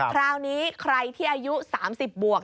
คราวนี้ใครที่อายุ๓๐บวก